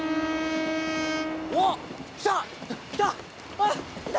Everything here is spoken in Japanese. おっ来た！